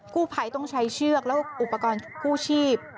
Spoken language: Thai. กู้ภัยต้องใช้เชือกแล้วอุปกรณ์กู้ชีพ